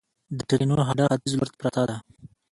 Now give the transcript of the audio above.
د ټرېنونو هډه ختیځ لور ته پرته ده